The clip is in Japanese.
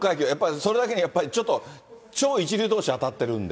それだけにちょっと、超一流どうし当たってるんで。